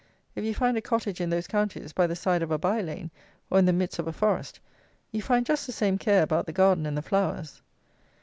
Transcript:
If you find a cottage in those counties, by the side of a by lane, or in the midst of a forest, you find just the same care about the garden and the flowers.